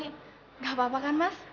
tidak apa apa kan mas